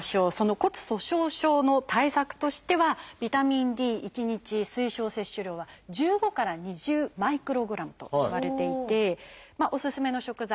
骨粗しょう症の対策としてはビタミンＤ１日推奨摂取量は１５から２０マイクログラムといわれていておすすめの食材さけとか